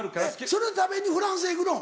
そのためにフランスへ行くの？